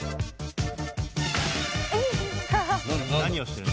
何をしてる？